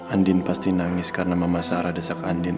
andin pasti nangis karena mama sarah desak andin